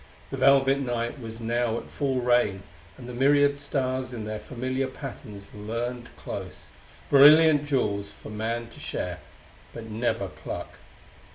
The velvet night was now at full reign, and the myriad stars in their familiar patterns leaned close brilliant jewels for man to share but never pluck.